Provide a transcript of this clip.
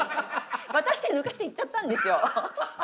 渡して抜かして行っちゃったんですよ。